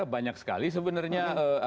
banyak sekali sebenarnya